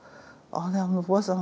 あのおばあさん